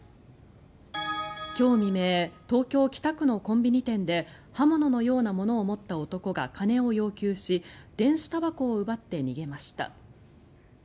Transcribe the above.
今日未明東京・北区のコンビニ店で刃物のようなものを持った男が金を要求し電子たばこを奪って逃げました。